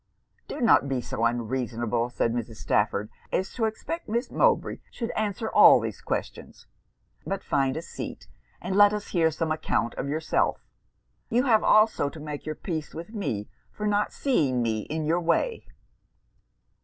'Do not be so unreasonable,' said Mrs. Stafford, 'as to expect Miss Mowbray should answer all these questions. But find a seat; and let us hear some account of yourself. You have also to make your peace with me for not seeing me in your way.'